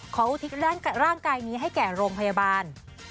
อุทิศร่างกายนี้ให้แก่โรงพยาบาล